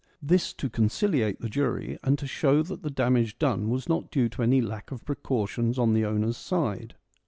(This to conciliate the jury and to show that the damage done was not due to any lack of precautions on the owner's side.)